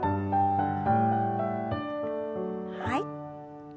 はい。